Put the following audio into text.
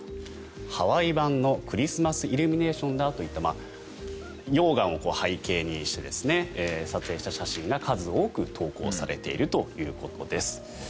ハワイ版のクリスマスイルミネーションだといった溶岩を背景にして撮影した写真が数多く投稿されているということです。